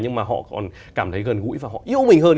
nhưng mà họ còn cảm thấy gần gũi và họ yêu mình hơn